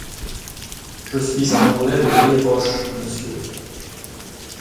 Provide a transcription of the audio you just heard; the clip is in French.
Je suis un Anglais de vieille roche, monsieur !…